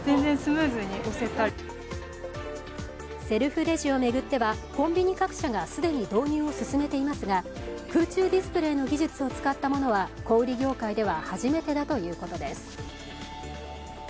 セルフレジを巡ってはコンビニ各社が既に導入を進めていますが空中ディスプレイの技術を使ったものは小売業界では初めてだということです。